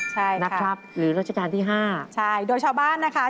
ใช่ครับหรือรัชกาลที่๕นะครับใช่โดยชาวบ้านนะคะ